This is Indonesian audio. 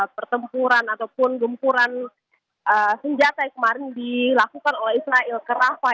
pertempuran ataupun gempuran senjata yang kemarin dilakukan oleh israel ke rafah